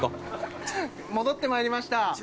戻ってまいりました！